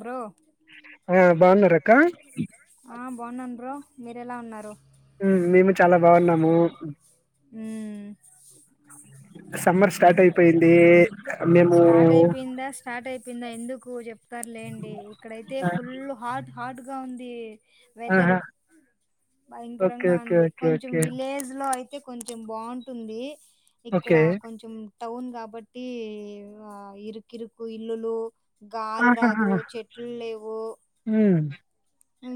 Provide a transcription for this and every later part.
Bro ఆ ఆ బాగున్నారక్క బాగున్నార అక్క ఆ బాగున్నారా మీర ఎలా ఉన్నారు హు మేము చాలా బాగున్నాము హు సమ్మర్ స్టార్ట్ అయిపోయింది మేము నువ్వు చెప్పు సరేలెండి ఇక్కడైతే ఫుల్ హార్ట్ హాట్ గా ఉంది వెదరు ఆహా ఓకే భయంకరంగా ఓకే ఉంది ఓకే కొంచెం ఓకే విలేజ్ లో అయి అయితే కొంచెం బాగుంటుంది ఇక్కడ ఓకే కొంచెం టౌన్ కాబట్టి ఇరుకిరుకు ఇల్లులు గాలి ఆహాహా రాదు చెట్లు లేవు ఉమ్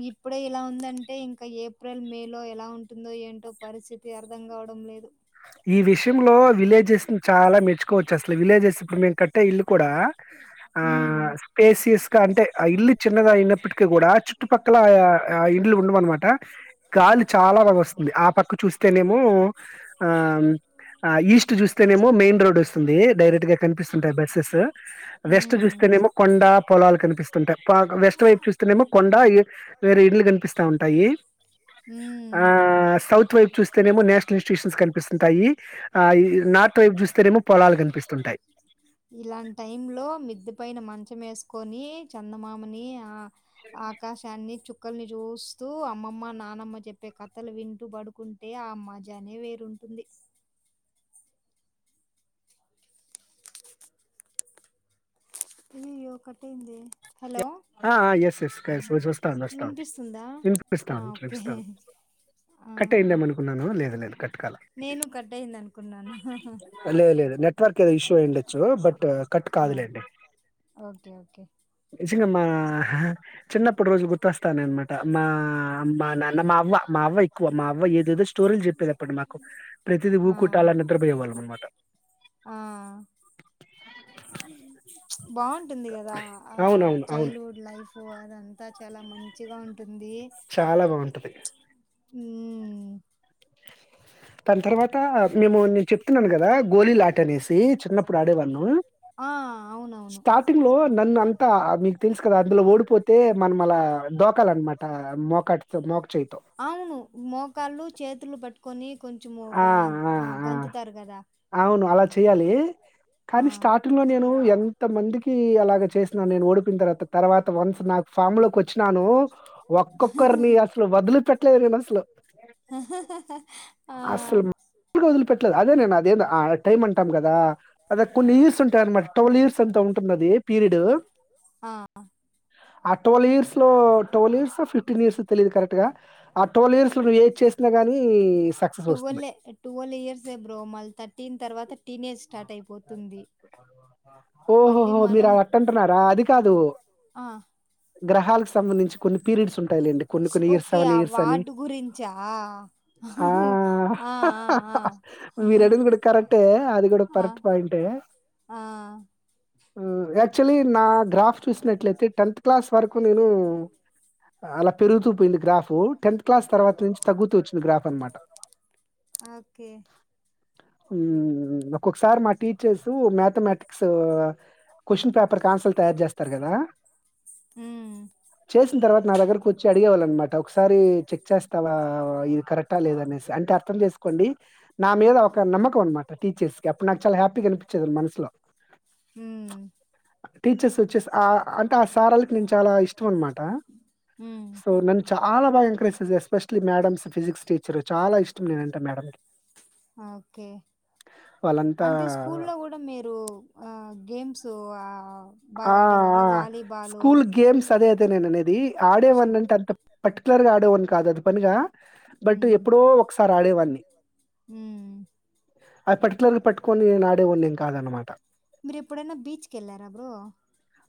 ఇప్పుడే ఇలా ఉందంటే ఇంకా ఏప్రిల్ మే లో ఎలా ఉంటుందో ఏంటో పరిస్థితి అర్థం కావడం లేదు ఈ విషయంలో విలేజెస్ ని చాలా మెచ్చుకోవచ్చు అసలు విలేజెస్ ఇప్పుడు మేము క త ఇలు కూడా ఆ మ్మ్. స్పేసియస్గా అంటే ఆ ఇల్లు చిన్నద అయినప్పటికీ కూడా చుట్టుపక్కల ఆ ఇల్లు ఉండమ అనమాట గాలి చాలా బగా వస్తుంది ఆ పక్క చూస్తేనేమో ఆ ఆ ఈస్ట్ చూస్తేనేమో మెయిన్ రోడ్ వస్తుంది డైరెక్ట్ గా కనిపిస్తుంటాయి బస్సెస్ వెస్ట్ హ్మ్ చూస్తేనేమో కొండ పొలాలు కనిపిస్తుంటాయి వెస్ట్ వైపు చూస్తేనేమో కొండ వేరే ఇడ్లు కనిపిస్తా ఉంటాయి ఆ హ్మ్. సౌత్ వైపు చూస్తేనేమో నేషనల్ ఇన్స్టిట్యూషన్స్ కనిపి కపిస్తుంటాయి ఆ ఈ నాట్ వైపు చూస్తేనేేమో పొలాలు కనిపిస్తుంటాయి టైమ్ లో మిద్ద పైన మంచం వేసుకొని చందమామిని ఆ ఆకాశాన్ని చు మక్కల్ని చూస్తూ అమ్మమ్మ నానమ్మ చెప్పే కథలు వింటూ పడుకుంటే ఆ మజానే వేరుంటుంది అయ్యో కట్టటింది ఎస్ ఎస్ వస్తాం వస్తాను వినిపిస్తుందా? నేను ఆ! చూపిస్తాను ఓకే. చూపిస్తాను ఆ! కట్ అయిందామ అనుకున్నాను లేదు లేదు కట్ నేను కట్టయిందనుకున్నాను. లేదు లేదు నెట్వర్క్ ఏదో ఇష్యూ అయిండొచ్చు బట్ కట్ ఆ! కాదులేండి ఓకే. ఓకే. స ఆ ఇప్పటి రోజులు గుర్తొస్తా అనమాట మా మా నాన్న మా అవ మా అవ్వ ఎక్కువ మా అవ్వ ఏదేదో స్టోరీలు చెప్పేది అప్ప మాకు ప్రతిద ఊ ఆ! కుట్టాలని నిద్రపోయ వాళ్ళ అనమాట ఆ! బాగుంటుంది కదా అవునవును అవును ప్పు అదంతా చాలా మంచిగా ఉంట ఉంది చాలా బావుంటది. ఉ ఉ దాని తర్వాత మేము నేను చెప్తున్నాను కదా గోళలాట అనేసి చిన్నప్పుడు ఆడేవాను ఆ అవునవును స్టార్టింగ్ లో నన్ను అంతా మీకు తెలుసు కదా అందులో ఓడిపోతే మనం అలా దోకాలన్నమాట మోకాటితో మోక చేయితో కొని కొంచెం ఆ! గగా ఆ! ఆ! గంతుతారు కదా అవును అలా చేయాలి ఆ కానీ స్టార్టింగ్ లో నేను ఎంత మందికి అలాగ చేసినను నేను ఓడిపోన తర్వాత తర్వాత వన్స్ నాకు ఫామ్ లోకి వచ్చ అసలు వదిలిపెట్టలేదు నేనసలు. అసలు మామూలుగా వదిలిపెట్టలేదు. అదే నేను ఆ టైమ్ అంటాం కదా అ కొన్ని ఇయర్స్ ఉంటాయి అనమాట ట్వల్వ్ ఇయర్స్ అంత ఉంటుందిది పీరియడ్ ఆ ఆ ట్వల్వ్ ఇయ లో ట్వల్ ఇయర్స్ ఫిఫ్టీన్ ఇయర్స్ తెలిదు కరెక్ట్ గా ఆ ట్వెల్్ ఇయర్స్ లో నువ ఏజ్ చేసినా గాని సక్సెస్ టువెల్ వస్తున్నాయి టువెల్ ఇయర్స్ ఏ బ్రో మళ్ళీ థర్టీన్ తర్వాత టీనేజ్ స్టార్ట్ అయిపోతుంది మళ్ళీ ఓహోహో మీరు మనం అ అట్ట అంటున్నారా అది కాదు ఆ గ్రహాల్క్స్ సంబంధించి కొన్ని పీరిడిస్ ఉం ఓకే ఆ వాటి గురించా ఆ ఆ ఆ ఆ మీరడుగుడు కరెక్ అంటే అది కూడా ఆ కరెక్ట్ పాయింటే ఆ మ్ యాక్చువలీ నా గ్రాఫ్ చూసినట్లయితే టెన్త్ క్లాస్ వరకు నేను అలా పెరుగుతూ పోయింది గ్రాఫ్ టెన్త్ క్లాస్ తర్వాత నుంచి తగ్గుతూ వచ్చింది గ్రాఫ్ అనమాట ఓకే ఉమ్ ఒకసారి మా టీచర్స్ మ్యాథమెటిక్స్ క్వశ్చన్ పేపర్కి ఆన్సల్ తయారు చేస్తారు కదా హ్మ్. చేసిన తర్వాత నా దగ్గరకు వచ్చి అడిగేవాళ్ళ అనమాట ఒకసారి చెక్ చేస్తావా ఇది కరెక్టా లేదనేసి అంటే అర్థం చేసుకోండి నా మీద ఒక నమ్మకం అనమాట టీచర్స్ కి అప్పు నాక్ చాలా హ్యాపీగా కనిపించేది మనసులో హ్మ్. టీచర్స్ వచ్చేస్ ఆ అంటే ఆ సారోలకి నేను చాలా ఇష్టం అనమాట హ్మ్. సో నన్ను చాలా బాగా ఎంకరేజ్ చేస్ ఎస్పెషలీ మేడంస్ ఫిజిక్స్ టీచర్ చాలా ఇష్టం నేనంటే మేడమ్ కి ఓకే వాళ్ళంతా అంటే స్కూల్లో కూడా మీరు ఆ గేమ్స్ సో ఆ ఆ ఆ స్కూల్ గేమ్స్ అదే అదే నేననేది ఆడే వానంటే షిట్టి. అంత పర్టికులర్ గా ఆడేవని కాదు అది పనిగా బట్ హ్మ్. ఎప్పుడో ఒకసారి ఆడేవాన్ని కాదనమాట. మీరి ఎప్పుడనా బీచ్కెళ్ళారా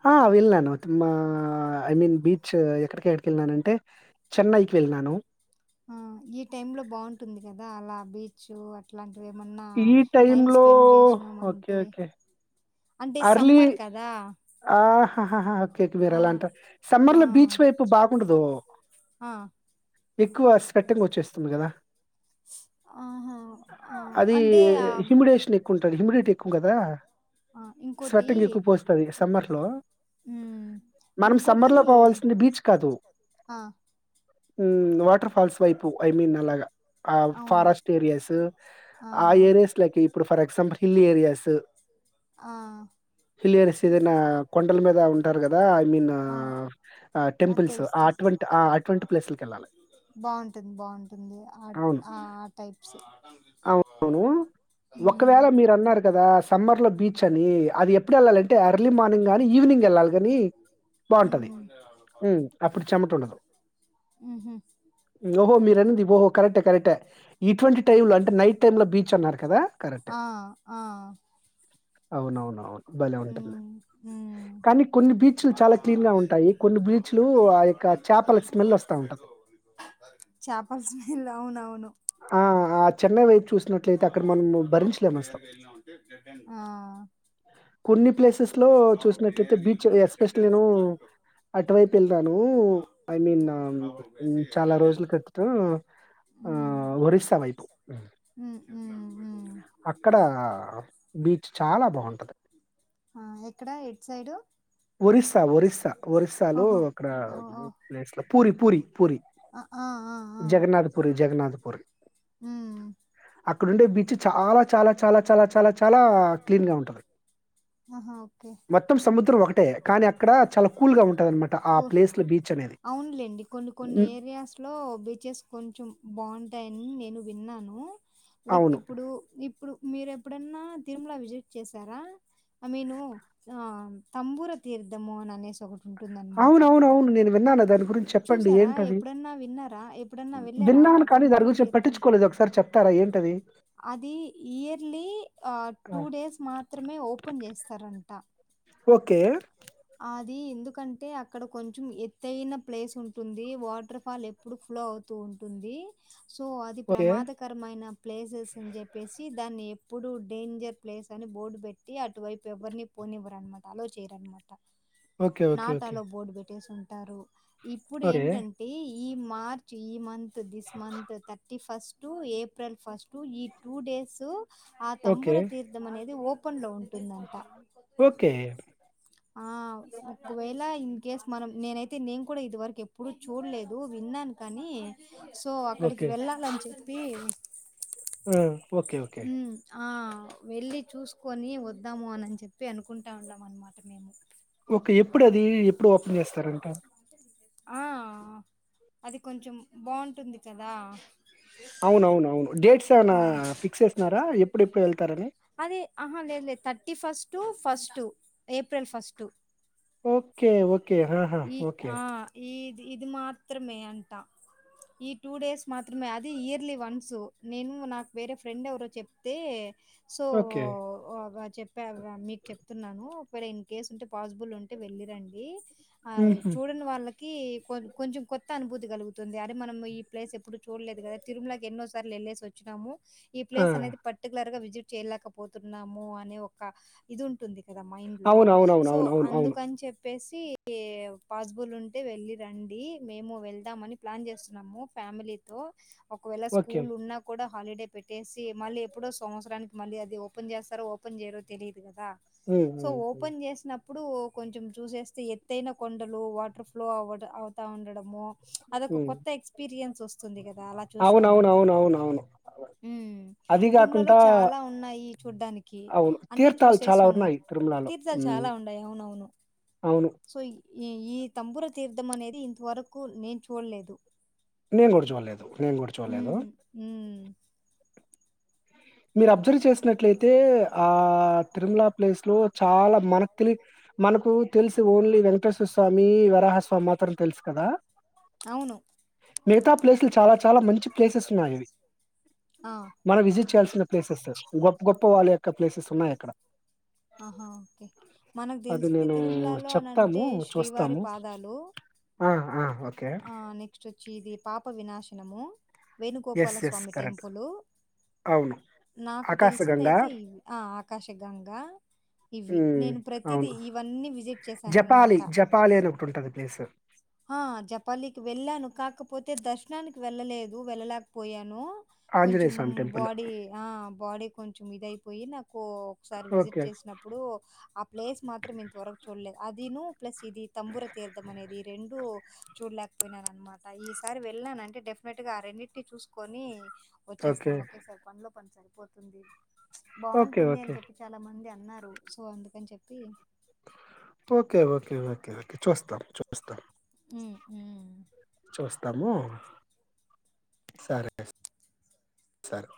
ఆ వెళ్ళినాను తి మా ఐ మీన్ బీచ్ ఎక్కడికి కెళ్ళినానంటే చెన్నైకి వెళ్ళినాను. ఆ ఈ టైమ్ లో బాగుంటుంది కదా అలా బీ చ్చు అట్లాంట్ ది ఏమన్నా ఈ టైం టైంలో స్పెండ్ ఓకే. చేసినామంటె ఓకే. అంటే సమ్మర్ కదా ఆ ఓకే మీరు ఆ! అలా అంటారు ఆ! సమ్మర్ లో బీచ్ వైపు బాగుండదు ఆ! ఎక్కువ స్వెటింగ్ వచ్చేస్తుంది కదా ఆహా! ఆ! అది అంటే ఆహ్, హ్యూమిడేషన్ ఎక్కువ ఉంటది హ్యూమిడిటీ ఎకు గదా ఆ! ఇంకోటి స్వెట్టింగ్ ఎక్కువ పోస్తది సమర్ లో హ్మ్. మనం సమ్మర్ ఇంకోటి లో పోవల్సింది బీచ్ కాదు ఆ! ఉ వా ఆ ఫాల్స్ వైపు ఐ మీన్ అలాగా ఆ అవును. ఫారెస్ట్ ఏరియాస్ ఆ ఏరియాస్ లోకి ఇప్పుడు ఫర్ ఎగ్జాంపుల్ హిల్లేరియసు ఆ! హిల్లెరస్ ఏదైనా కొండల మీద ఉంటారు కదా ఐ మీన్ అవును. ఆ టెంపుల్స్ తెలుసు ఆ తెలుసు. అటువంటి అటువంటి ప్లేసులకి వెళ్ళాలి బావుంటుంది. బావుంటుంది. ఆ! అవును ఆ! ఆ టైప్స్. అవువును ఒకవేళ హ్మ్. మీరు అన్నారు కదా సమ్మర్ లో బీచ్ అని అది ఎప్పుడు వెళ్ళాలం అంటే ఎర్లీ మార్నింగ్ కాగానీ ఈవినింగ్ వెళ్ళాలి కాని బాగుంటది హ్మ్. అప్పుడు చెమట ఉండదు హుహు. ఓహో మీరు అనేది ఓహో కరెక్టే కరెక్టే ఇటువంటి టైమ్ లో అంటే నైట్ టైమ్ లో బీచ్ అన్నారు కదా కరెక్టే ఆ! ఆ! అవునవునవును బలే వుం హ్మ్. హ్మ్. కానీ కొన్ని బీచ్లు చాలా క్లీన్ గా ఉంటాయి కొన్ని బీచ్లు ఆ యొక్క చేపల స్మెల్ వస్తా ఉంటది చేపల స్మెల్ అవునవును. ఆద్ చెన్నై వైపు చూసినట్లయితే అ ఆ లోపలికి నేరుగా వెళ్ళినామంటే బ్లడ్ బ్యాంకు ఆ ప్లేసెస్ లో చూసినట్లయితే బీచ్ ఎస్పెషల్ నేను అటువైపు వెళ్దాను ఐ మీన్ చాలా రోజుల క ఆ హ్మ్. ఒరిస్సా వైపు ఉమ్, ఉమ్, ఉమ్. అక్కడ బీచ్ చాలా బాగు ఆ, ఎక్కడ ఎట్ సైడు ఒరిస్సా ఒరిస్సా ఒరిస్సాలో ఆహా అక్కడ ఓ ఓ, ప్లేస్ లొ పూరీ పూరి పూరి ఆ, ఆ, ఆ, ఆ. జగన్నాథ్ పూరి జగన్నాథ్ పూరి ఉమ్, అక్ ఇపుడు వుండే బీచ్ చాలా చాలా చాలా చాలా చాలా చాలా క్లీన్ గా ఉంటది ఆహా ఓకే మొత్తం సముద్రం ఒకటే. కానీ అక్కడ చాలా కూల్‌గా ఉంటదనమాట. ఆ ప్లేస్‌లో బీచ్ అనేది. అవునులేండి కొన్ని కొన్ని హ్మ్. ఏరియాస్ లో బీచెస్ కొంచెం బాగుంటాయి నేను విన్నాను లైక్ అవును. ఇప్పుడు ఇప్ ఇప్పుడు మీరు ఎప్పుడైన్నా తిరుమల విజిట్ చేసారా ఐ మీను ఆ తంబూర తీర్థము అని అనేసి ఒకటి ఉంటుందన్నమాట అవున అవున అవును నేను విన్నాను దాని గురించి చెప్పండి చూసారా ఏంటది ఎప్పుడన్నా విన్నారా ఎప్పుడన్నా వెళ్ళారా విన్నాను ఆ కానీ తంబూర దాని గురించి తీర్థంకి పట్టించుకోలేదు ఒకసారి చెప్తారా ఏంటది అది ఇయర్లీ ఆ టూ డేస్ మాత్రమే ఓపెన్ చేస్తారంట ఓకే అది ఎందుకంటే అక్కడ కొంచం ఎత్తయిైన ప్లేస్ ఉంటుంది వాటర్ ఫాల్ ఎప్పుడు ఫ్లో అవుతూ ఉంటుంది సో అది ఓకే. ప్రమాదకరమైన ప్లేసెస్ అని చెప్పేసి దాన్ని ఎప్పుడుూ డేంజర్ ప్లేస్ అని బోర్డు పెట్టి అటువైపు ఎవరిని పోనివ్వరనమ అల్లో చేయరన్నమాట okay. Okay. Not okay. Allow board పెట్ చేస్ ఉంటారు ఇప్పుడు ఓకే. ఏంటంటే ఈ మార్చ్ ఈ month this month thirty first to April first ఈ టూ డేస్ ఆ ఓకే. తంబుర తీర్థం అనేది ఓపె ఓపెన్ లో ఉంటుందంట ఓకే ఆ ఒకవేళ ఇ కేస్ మనం నేనైతే నేను కూడా ఇది వరకు ఎప్పుడుూ చూడలేదు విన్నాను కానీ అని సో అక్కడికి ఓకే. వెళ్ళాలని చెప్పి ఆ ఓకే ఓకే ఉమ్ ఆ వెళ్ళి చూసుకొని వద్దాము అనిని చెప్పి అనుకుంటు అంటా ఉండమ అన్నమాట మేము ఓకే ఎప్పుడు అది ఎప్పుడు ఓపె చేస్తారుంట ఆ అది కొంచెం బాగుంటుంది కదా అవునవును అవును డేట్స్ ఏమనా ఆ ఫిక్స్ చేస్తున్నారా ఎప్పుడు ఎప్పుడు వెళ్తారని అదే ఆహా లేదు లేదు thirty first first April first okay okay ఆహా! ఈ ఓకే. ఆ ఈ ఇది ఇది మాత్రమే అంట ఈ టూ డేస్ మాత్రమే అది ఇయర్లీ వన్సు నేను నాకు వేరే ఫ్రెండ్ ఎవరో చెప్తే సో ఓకే. అవ చెప్ [unintelligible] మీకు చెప్తున్నాను ఒకవేళ ఇన్ కేస్ ఉంటే పాసిబుల్ ఉంటే వెళ్ళి రండి అయ్ హుహు. చూడని వాళ్ళకి కొ కొంచెం కొత్త అనుభూతి కలుగుతుంది అరె మనం ఈ ప్లేస్ ఎప్పుడు చూడలేదు కదా తిరుమలకి ఎన్నోసార్లు వెళ్ళేసి వచ్చినాము ఈ ఆ! ప్లేస్ అనేది పర్టికులర్ గా విజిట్ చేయలేకపోతున్నాము అనే ఒక ఇది ఉంటుంది లేదా మైండ్ లో సో అవునవునవునవునవును. అవును. అవును అవును అవును అవును అందుకని చెప్పి బేసి ఈ పాసిబుల్ ఉంటే వెళ్లి రండి మేము వెళ్దామని ప్లాన్ చేస్తున్నాము ఫ్యామిలీతో ఒకవేళ ఓకే. స్కూల్ ఉన్నా కూడా హాలిడే పెట్టేసి మళ్ళీ ఎప్పుడో సంవత్సరానికి మళ్ళీ అది ఓపెన్ చేస్తారో ఓపెన్ చేయరో తెలియదు కదా హ్మ్. సో హ్మ్. హ్మ్. ఓపెన్ చేసిన ఇప్పుడు కొంచెం చూసేస్తే ఎత్ ఎతైన కొండలు వాటర్ ఫ్లో అవ అవుతా ఉండడము అదొక హ్మ్. కొత్త ఎక్స్పీరియన్స్ వస్తుంది కదా అలా చూసినామ అంటే అవునవునవునవునవును. ఉ అది తిరుమలలో గాకుండా చాలా ఉన్నాయి చూడ్డానికి అవును. అన్ని తీర్థాలు చాలా చూసేసినాము ఉన్నాయి తిరుమలలో. తీర్థాలు హ్మ్. చాలా వుండై అవునవును అవును. సో ఈ ఈ తంబుర తీర్థం అనేది ఇంతవరకు నేను చూడలేదు నేను కూడా చూడలేదు నేను కూడా చూడలేదు హ్మ్. హ్మ్. మీరు అబ్జర్వ్ చేసినట్లయితే ఆ తిరుమల ప్లేస్ లో చాలా మనకు తెలి మనకు తెలిసి ఓన్లీ వెంకటేశ్వర స్వామి వరాహస్వామి మాత్రం తెలుసు కదా అవును. మిగతా ప్లేసులు చాలా చాలా మంచి ప్లేసెస్ ఉన్నాయివి ఆ! మన విజిట్ ప్లేసెస్ గొప్ప గొప్ప వాళ్ళ యొక్క ప్లేసెస్ ఉన్నాయి అక్కడ ఆహా! ఓకే. మనకు అ తెలిసింది నేను తిరుమలలో అని చెప్తాము అంటే శ్రీవారి చూస్తాము పాదాలు ఆ ఆ ఓకే ఆ నెక్స్ట్ వచ్చి ఇది పాప వినాశనము yes yes Venugopalaswamy correct temple అవును నాకు ఆకాశగంగా తెలిసిందయితే ఆకాశగంగా ఇవి ఉమ్ నేను ప్రతిదీ అవును ఇవన్నీ విజిట్ జపాలి చేశానునమాట జపాలి అని ఒకటి ఉంటది ప్లేస్ జపాలికి వెళ్ళాను కాకపోతే అయితే దర్శనానికి వెళ్ళలేదు వెళ్ళలేకపోయాను కొంచెం ఆంజనేయ స్వామి టెంపుల్ బాడీ ఆ బాడీ కొంచం మీదయిపోయి నా ఒకసారి విజిట్ ఓకే చేసినప్పుడు ఆ ప్లేస్ మాత్రం చూడలేదు అదిను ప్లస్ ఇది తంబుర తీర్థం అనేది రెంూ చూడలేకపోయినాన అనమాట ఈసారి వెళ్ళన అంటే డెఫినెట్గా ఆ రెండింటిని చూసుకొని వచ్చేస్తాం ఓకే సార్ పంలు పని సరిపోతుంది ఓకే బావుంటుంది ఓకే అని చెప్పి చాలా మంది అన్నారు సో అందుకని చెప్పి ఓకే ఓకే ఓకే ఓకే చూస్తాం చూస్తాం ఊ చూస్తాము సరే సర్